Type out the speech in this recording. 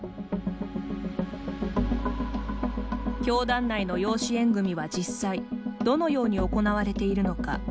教団内の養子縁組は実際どのように行われているのか。